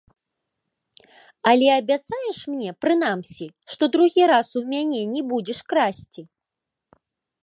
Але абяцаеш мне, прынамсі, што другі раз у мяне не будзеш красці?